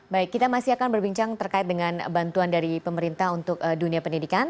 baik kita masih akan berbincang terkait dengan bantuan dari pemerintah untuk dunia pendidikan